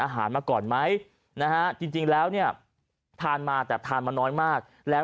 มาก่อนไหมนะฮะจริงแล้วเนี่ยทานมาแต่ทานมาน้อยมากแล้ว